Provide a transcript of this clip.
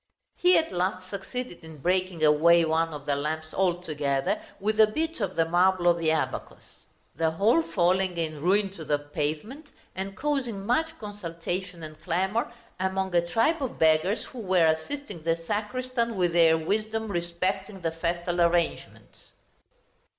He at last succeeded in breaking away one of the lamps altogether, with a bit of the marble of the abacus; the whole falling in ruin to the pavement, and causing much consultation and clamor among a tribe of beggars who were assisting the sacristan with their wisdom respecting the festal arrangements.